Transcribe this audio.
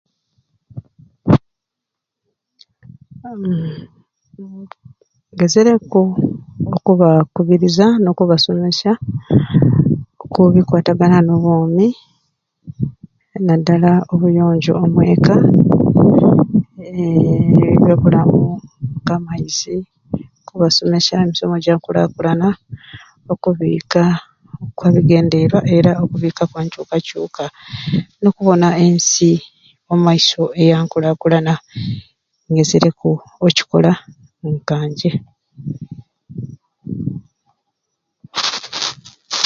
Aaamm, ngezereku okubakubiriza n'okubasomesya okubikkwatagana n'obwoomi naddala obuyonjo omweka eee ebyabulamu ka maizi, okubasomesya emisomo egyankulaakulana okubiika okwa bigendeerwa, era okubiika kwa nkyukakyuuka n'okubona ensi eyamumaiso eyaankulaakulana ngezereku okukikola nkanje